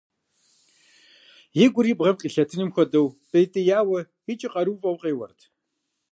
И гур и бгъэм къилъэтыным хуэдэу пӀейтеяуэ икӀи къарууфӀэу къеуэрт.